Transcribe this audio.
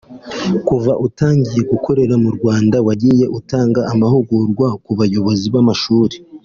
Kuva utangiye gukorera mu Rwanda wagiye utanga amahugurwa ku bayobozi b’amashuri